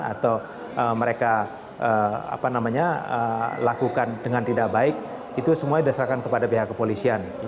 atau mereka lakukan dengan tidak baik itu semuanya diserahkan kepada pihak kepolisian